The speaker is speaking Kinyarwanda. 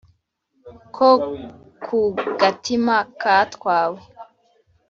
ko ku gatima katwawe